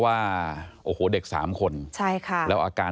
พบหน้าลูกแบบเป็นร่างไร้วิญญาณ